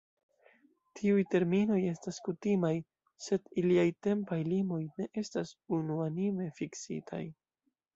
Tiuj terminoj estas kutimaj, sed iliaj tempaj limoj ne estas unuanime fiksitaj.